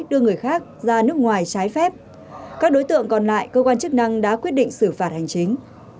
đưa người khác ra nước ngoài trái phép các đối tượng còn lại cơ quan chức năng đã quyết định xử phạt hành chính